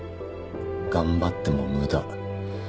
頑張っても無駄。